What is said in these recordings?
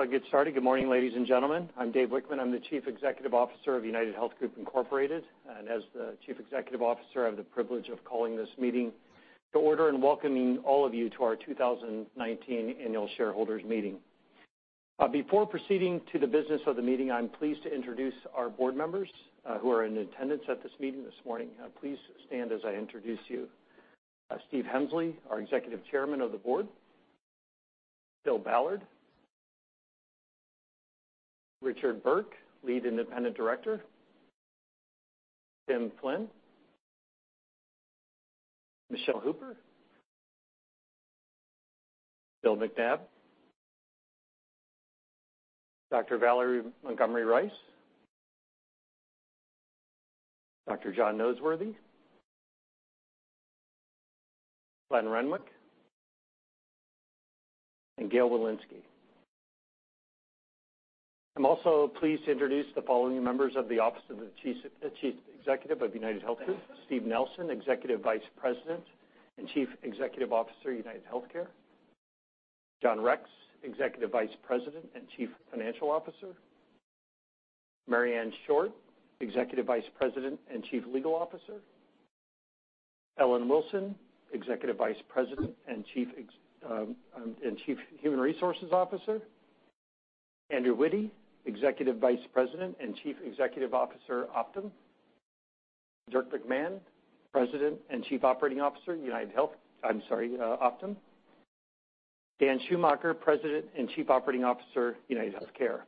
I'll get started. Good morning, ladies and gentlemen. I'm Dave Wichmann. I'm the Chief Executive Officer of UnitedHealth Group Incorporated. As the Chief Executive Officer, I have the privilege of calling this meeting to order and welcoming all of you to our 2019 Annual Shareholders Meeting. Before proceeding to the business of the meeting, I'm pleased to introduce our board members who are in attendance at this meeting this morning. Please stand as I introduce you. Steve Hemsley, our Executive Chairman of the Board. Bill Ballard. Richard Burke, Lead Independent Director. Tim Flynn. Michele Hooper. Bill McNabb. Dr. Valerie Montgomery Rice. Dr. John Noseworthy. Glenn Renwick. Gail Wilensky. I'm also pleased to introduce the following members of the Office of the Chief Executive of UnitedHealth Group. Steve Nelson, Executive Vice President and Chief Executive Officer, UnitedHealthcare. John Rex, Executive Vice President and Chief Financial Officer. Marianne Short, Executive Vice President and Chief Legal Officer. Ellen Wilson, Executive Vice President and Chief Human Resources Officer. Andrew Witty, Executive Vice President and Chief Executive Officer, Optum. Dirk McMahon, President and Chief Operating Officer, Optum. Dan Schumacher, President and Chief Operating Officer, UnitedHealthcare.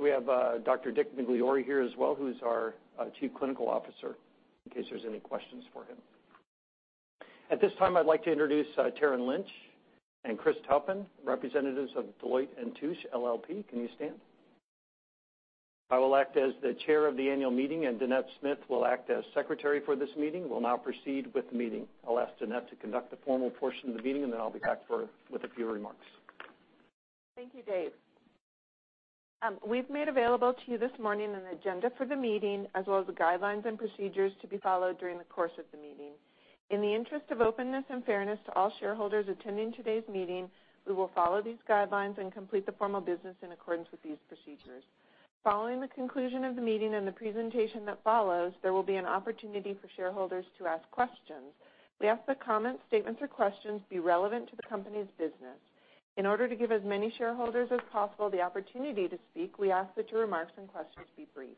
We have Dr. Dick Migliori here as well, who's our Chief Clinical Officer, in case there's any questions for him. At this time, I'd like to introduce Taryn Lynch and Chris Toppin, representatives of Deloitte & Touche LLP. Can you stand? I will act as the Chair of the annual meeting, Dannette Smith will act as Secretary for this meeting. We'll now proceed with the meeting. I'll ask Danette to conduct the formal portion of the meeting, then I'll be back with a few remarks. Thank you, Dave. We've made available to you this morning an agenda for the meeting, as well as the guidelines and procedures to be followed during the course of the meeting. In the interest of openness and fairness to all shareholders attending today's meeting, we will follow these guidelines and complete the formal business in accordance with these procedures. Following the conclusion of the meeting and the presentation that follows, there will be an opportunity for shareholders to ask questions. We ask that comments, statements, or questions be relevant to the company's business. In order to give as many shareholders as possible the opportunity to speak, we ask that your remarks and questions be brief.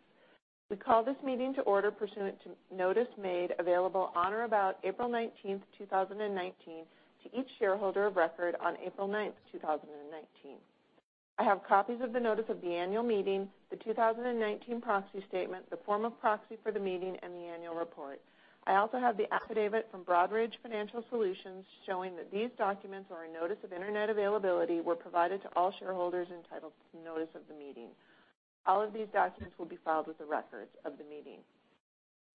We call this meeting to order pursuant to notice made available on or about April 19th, 2019, to each shareholder of record on April 9th, 2019. I have copies of the notice of the annual meeting, the 2019 proxy statement, the form of proxy for the meeting, and the annual report. I also have the affidavit from Broadridge Financial Solutions showing that these documents or a notice of internet availability were provided to all shareholders entitled to notice of the meeting. All of these documents will be filed with the records of the meeting.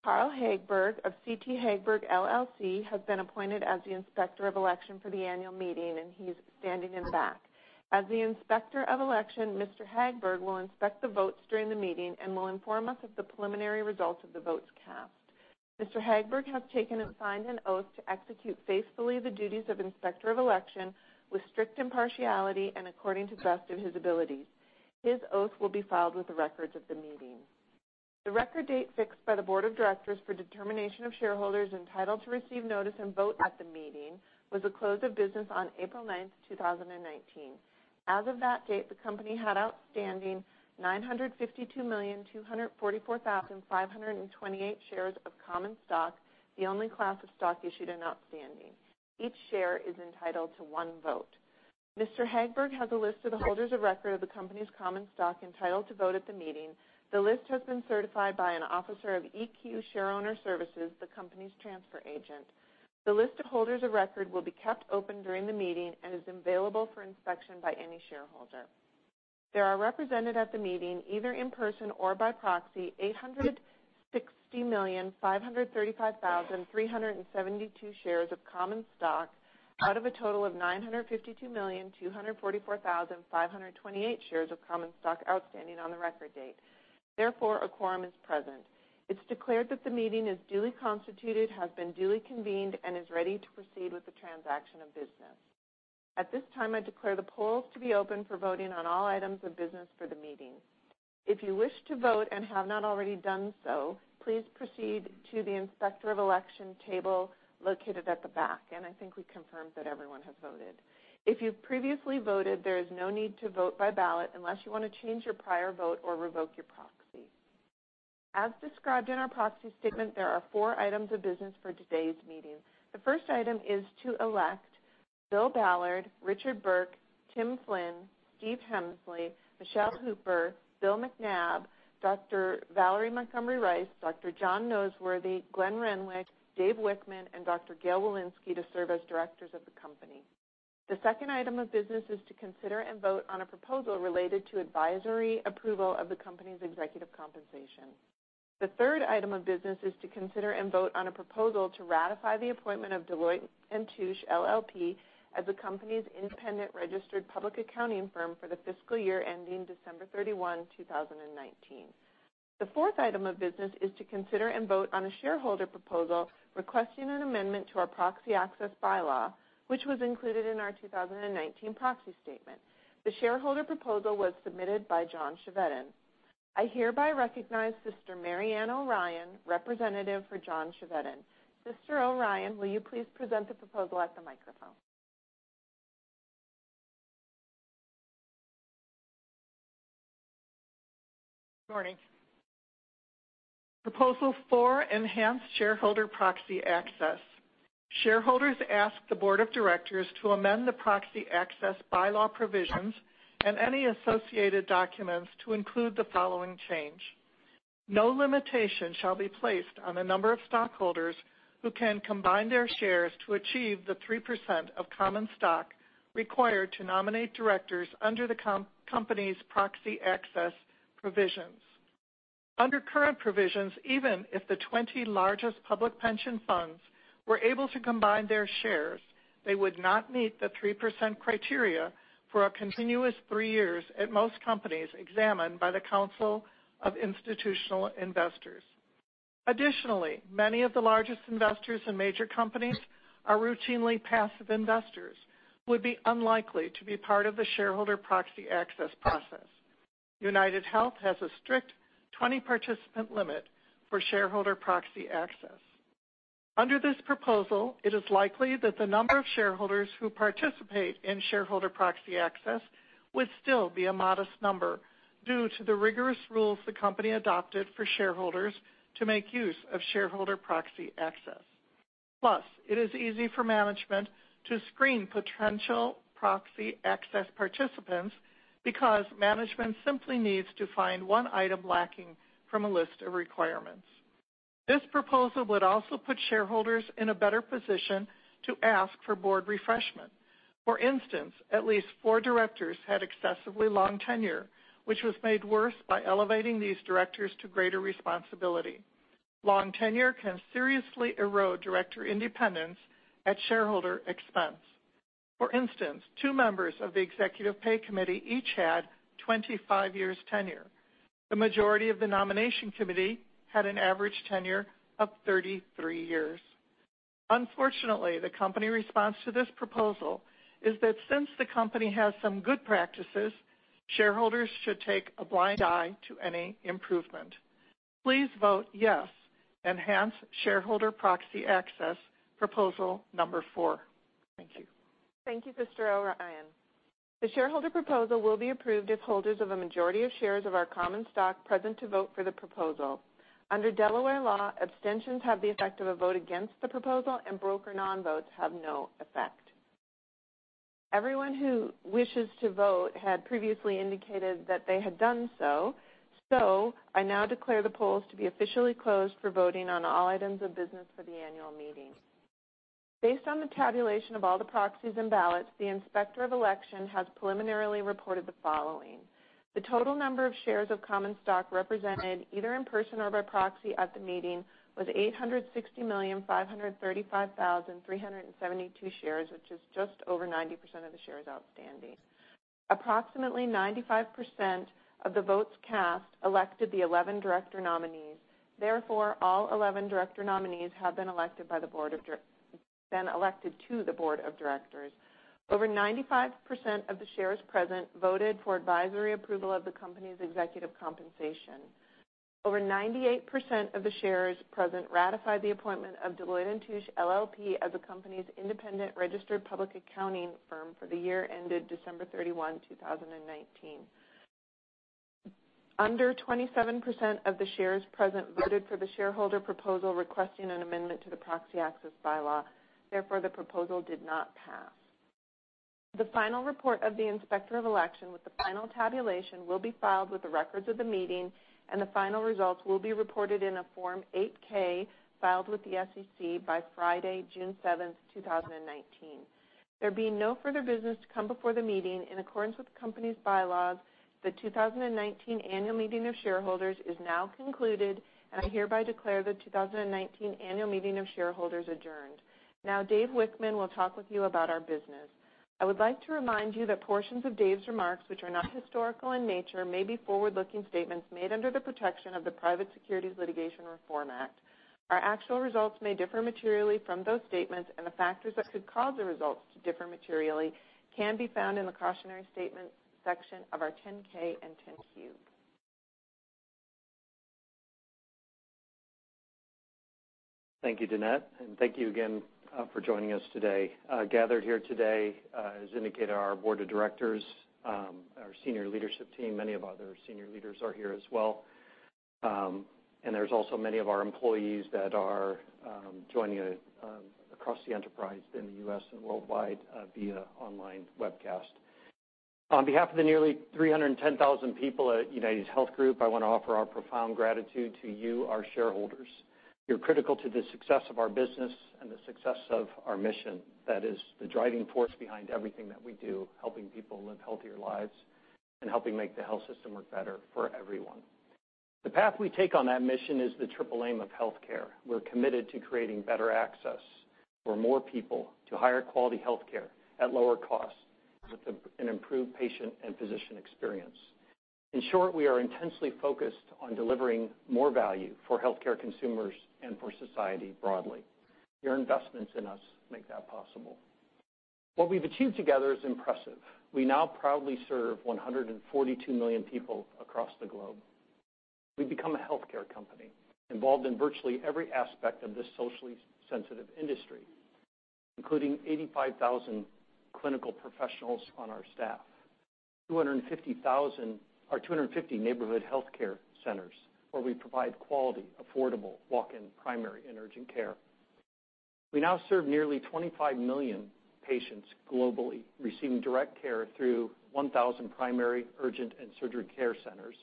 Carl Hagberg of CT Hagberg LLC has been appointed as the Inspector of Election for the annual meeting, and he is standing in back. As the Inspector of Election, Mr. Hagberg will inspect the votes during the meeting and will inform us of the preliminary results of the votes cast. Mr. Hagberg has taken and signed an oath to execute faithfully the duties of Inspector of Election with strict impartiality and according to the best of his abilities. His oath will be filed with the records of the meeting. The record date fixed by the Board of Directors for determination of shareholders entitled to receive notice and vote at the meeting was the close of business on April 9th, 2019. As of that date, the company had outstanding 952,244,528 shares of common stock, the only class of stock issued and outstanding. Each share is entitled to one vote. Mr. Hagberg has a list of the holders of record of the company's common stock entitled to vote at the meeting. The list has been certified by an officer of EQ Shareowner Services, the company's transfer agent. The list of holders of record will be kept open during the meeting and is available for inspection by any shareholder. There are represented at the meeting, either in person or by proxy, 860,535,372 shares of common stock out of a total of 952,244,528 shares of common stock outstanding on the record date. Therefore, a quorum is present. It's declared that the meeting is duly constituted, has been duly convened, and is ready to proceed with the transaction of business. At this time, I declare the polls to be open for voting on all items of business for the meeting. If you wish to vote and have not already done so, please proceed to the Inspector of Election table located at the back. I think we've confirmed that everyone has voted. If you've previously voted, there is no need to vote by ballot unless you want to change your prior vote or revoke your proxy. As described in our proxy statement, there are four items of business for today's meeting. The first item is to elect Bill Ballard, Richard Burke, Tim Flynn, Steve Hemsley, Michele Hooper, Bill McNabb, Dr. Valerie Montgomery Rice, Dr. John Noseworthy, Glenn Renwick, Dave Wichmann, and Dr. Gail Wilensky to serve as directors of the company. The second item of business is to consider and vote on a proposal related to advisory approval of the company's executive compensation. The third item of business is to consider and vote on a proposal to ratify the appointment of Deloitte & Touche LLP as the company's independent registered public accounting firm for the fiscal year ending December 31, 2019. The fourth item of business is to consider and vote on a shareholder proposal requesting an amendment to our proxy access bylaw, which was included in our 2019 proxy statement. The shareholder proposal was submitted by John Chevedden. I hereby recognize Sister Mary Ann O'Ryan, representative for John Chevedden. Sister O'Ryan, will you please present the proposal at the microphone? Morning. Proposal four, enhance shareholder proxy access. Shareholders ask the board of directors to amend the proxy access bylaw provisions and any associated documents to include the following change. No limitation shall be placed on the number of stockholders who can combine their shares to achieve the 3% of common stock required to nominate directors under the company's proxy access provisions. Under current provisions, even if the 20 largest public pension funds were able to combine their shares, they would not meet the 3% criteria for a continuous three years at most companies examined by the Council of Institutional Investors. Additionally, many of the largest investors in major companies are routinely passive investors who would be unlikely to be part of the shareholder proxy access process. UnitedHealth has a strict 20-participant limit for shareholder proxy access. Under this proposal, it is likely that the number of shareholders who participate in shareholder proxy access would still be a modest number due to the rigorous rules the company adopted for shareholders to make use of shareholder proxy access. Plus, it is easy for management to screen potential proxy access participants because management simply needs to find one item lacking from a list of requirements. This proposal would also put shareholders in a better position to ask for board refreshment. For instance, at least four directors had excessively long tenure, which was made worse by elevating these directors to greater responsibility. Long tenure can seriously erode director independence at shareholder expense. For instance, two members of the executive pay committee each had 25 years tenure. The majority of the nomination committee had an average tenure of 33 years. Unfortunately, the company response to this proposal is that since the company has some good practices, shareholders should take a blind eye to any improvement. Please vote yes, enhance shareholder proxy access, proposal number four. Thank you. Thank you, Sister O'Ryan. The shareholder proposal will be approved if holders of a majority of shares of our common stock present to vote for the proposal. Under Delaware law, abstentions have the effect of a vote against the proposal and broker non-votes have no effect. I now declare the polls to be officially closed for voting on all items of business for the annual meeting. Based on the tabulation of all the proxies and ballots, the Inspector of Election has preliminarily reported the following. The total number of shares of common stock represented either in person or by proxy at the meeting was 860,535,372 shares, which is just over 90% of the shares outstanding. Approximately 95% of the votes cast elected the 11 director nominees. All 11 director nominees have been elected to the board of directors. Over 95% of the shares present voted for advisory approval of the company's executive compensation. Over 98% of the shares present ratified the appointment of Deloitte & Touche LLP as the company's independent registered public accounting firm for the year ended December 31, 2019. Under 27% of the shares present voted for the shareholder proposal requesting an amendment to the proxy access bylaw. The proposal did not pass. The final report of the Inspector of Election with the final tabulation will be filed with the records of the meeting, and the final results will be reported in a Form 8-K filed with the SEC by Friday, June 7th, 2019. There being no further business to come before the meeting, in accordance with the company's bylaws, the 2019 Annual Meeting of Shareholders is now concluded. I hereby declare the 2019 Annual Meeting of Shareholders adjourned. Dave Wichmann will talk with you about our business. I would like to remind you that portions of Dave's remarks, which are not historical in nature, may be forward-looking statements made under the protection of the Private Securities Litigation Reform Act. Our actual results may differ materially from those statements and the factors that could cause the results to differ materially can be found in the Cautionary Statement section of our 10-K and 10-Q. Thank you, Danette. Thank you again for joining us today. Gathered here today, as indicated, are our board of directors, our senior leadership team. Many of our other senior leaders are here as well. There's also many of our employees that are joining across the enterprise in the U.S. and worldwide via online webcast. On behalf of the nearly 310,000 people at UnitedHealth Group, I want to offer our profound gratitude to you, our shareholders. You're critical to the success of our business and the success of our mission. That is the driving force behind everything that we do, helping people live healthier lives and helping make the health system work better for everyone. The path we take on that mission is the triple aim of healthcare. We're committed to creating better access for more people to higher quality healthcare at lower costs with an improved patient and physician experience. In short, we are intensely focused on delivering more value for healthcare consumers and for society broadly. Your investments in us make that possible. What we've achieved together is impressive. We now proudly serve 142 million people across the globe. We've become a healthcare company involved in virtually every aspect of this socially sensitive industry, including 85,000 clinical professionals on our staff, 250 neighborhood healthcare centers where we provide quality, affordable, walk-in primary and urgent care. We now serve nearly 25 million patients globally, receiving direct care through 1,000 primary, urgent, and surgery care centers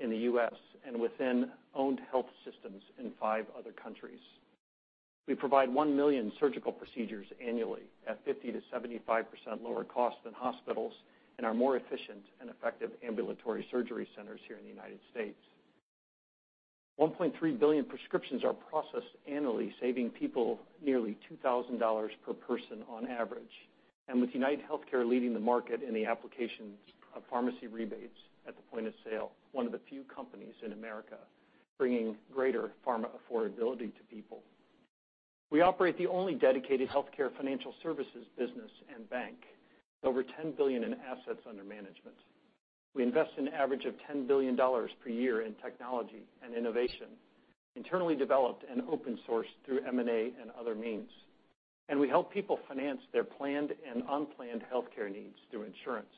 in the U.S. and within owned health systems in five other countries. We provide 1 million surgical procedures annually at 50%-75% lower cost than hospitals and our more efficient and effective ambulatory surgery centers here in the U.S. 1.3 billion prescriptions are processed annually, saving people nearly $2,000 per person on average, and with UnitedHealthcare leading the market in the application of pharmacy rebates at the point of sale, one of the few companies in America bringing greater pharma affordability to people. We operate the only dedicated healthcare financial services business and bank, with over $10 billion in assets under management. We invest an average of $10 billion per year in technology and innovation, internally developed and open source through M&A and other means, and we help people finance their planned and unplanned healthcare needs through insurance,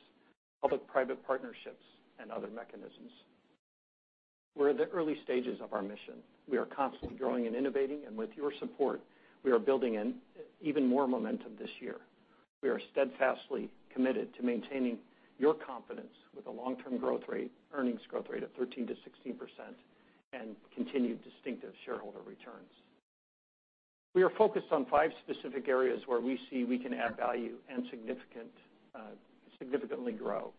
public-private partnerships, and other mechanisms. We're at the early stages of our mission. We are constantly growing and innovating, and with your support, we are building even more momentum this year. We are steadfastly committed to maintaining your confidence with a long-term growth rate, earnings growth rate of 13%-16% and continued distinctive shareholder returns. We are focused on five specific areas where we see we can add value and significantly grow.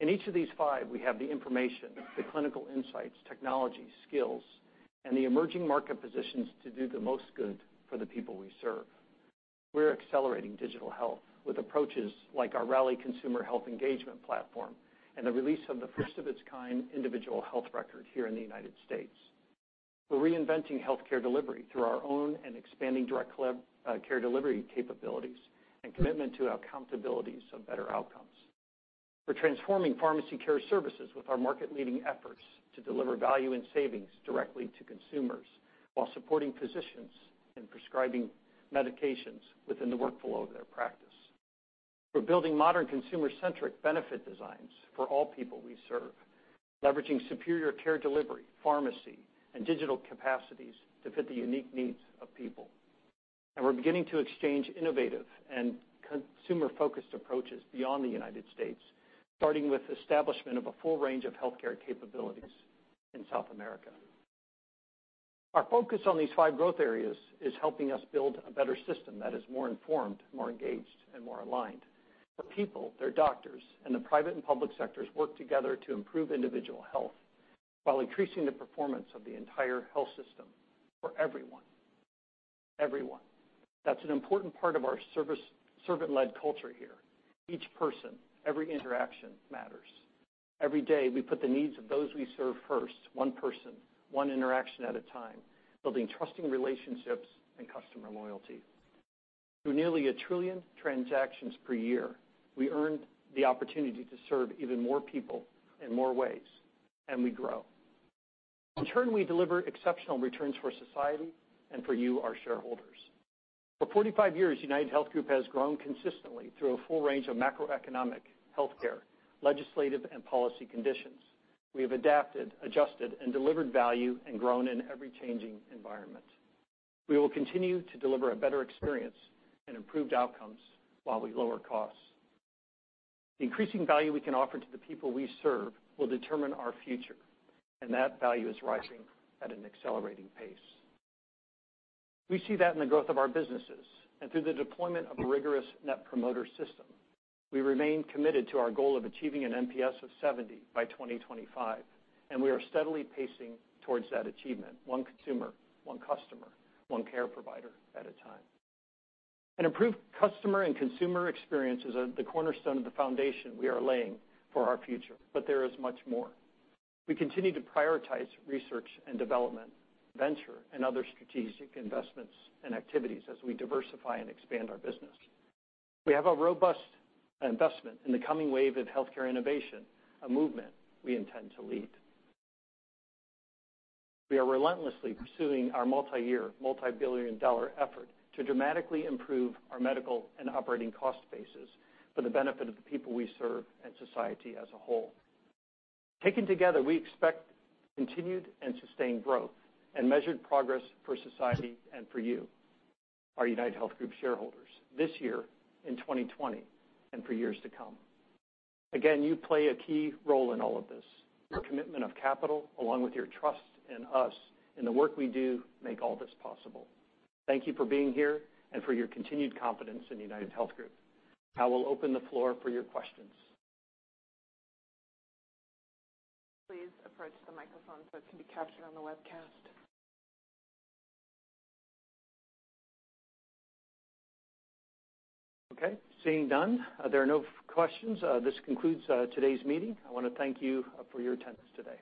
In each of these five, we have the information, the clinical insights, technology, skills, and the emerging market positions to do the most good for the people we serve. We're accelerating digital health with approaches like our Rally consumer health engagement platform and the release of the first of its kind individual health record here in the U.S. We're reinventing healthcare delivery through our own and expanding direct care delivery capabilities and commitment to accountabilities of better outcomes. We're transforming pharmacy care services with our market-leading efforts to deliver value and savings directly to consumers while supporting physicians in prescribing medications within the workflow of their practice. We're building modern consumer-centric benefit designs for all people we serve, leveraging superior care delivery, pharmacy, and digital capacities to fit the unique needs of people. We're beginning to exchange innovative and consumer-focused approaches beyond the U.S., starting with establishment of a full range of healthcare capabilities in South America. Our focus on these five growth areas is helping us build a better system that is more informed, more engaged, and more aligned. The people, their doctors, and the private and public sectors work together to improve individual health while increasing the performance of the entire health system for everyone. Everyone. That's an important part of our servant-led culture here. Each person, every interaction matters. Every day, we put the needs of those we serve first, one person, one interaction at a time, building trusting relationships and customer loyalty. Through nearly a trillion transactions per year, we earned the opportunity to serve even more people in more ways, and we grow. In turn, we deliver exceptional returns for society and for you, our shareholders. For 45 years, UnitedHealth Group has grown consistently through a full range of macroeconomic, healthcare, legislative, and policy conditions. We have adapted, adjusted, and delivered value and grown in every changing environment. We will continue to deliver a better experience and improved outcomes while we lower costs. The increasing value we can offer to the people we serve will determine our future, and that value is rising at an accelerating pace. We see that in the growth of our businesses and through the deployment of a rigorous net promoter system. We remain committed to our goal of achieving an NPS of 70 by 2025. We are steadily pacing towards that achievement, one consumer, one customer, one care provider at a time. An improved customer and consumer experience is at the cornerstone of the foundation we are laying for our future. There is much more. We continue to prioritize research and development, venture, and other strategic investments and activities as we diversify and expand our business. We have a robust investment in the coming wave of healthcare innovation, a movement we intend to lead. We are relentlessly pursuing our multi-year, multi-billion-dollar effort to dramatically improve our medical and operating cost bases for the benefit of the people we serve and society as a whole. Taken together, we expect continued and sustained growth and measured progress for society and for you, our UnitedHealth Group shareholders, this year in 2020 and for years to come. Again, you play a key role in all of this. Your commitment of capital, along with your trust in us and the work we do, make all this possible. Thank you for being here and for your continued confidence in UnitedHealth Group. I will open the floor for your questions. Please approach the microphone so it can be captured on the webcast. Okay, seeing done. There are no questions. This concludes today's meeting. I want to thank you for your attendance today.